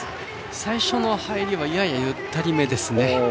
最初の入りはややゆったり目ですね。